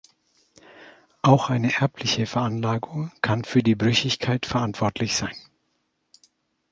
Auch eine erbliche Veranlagung kann für die Brüchigkeit verantwortlich sein.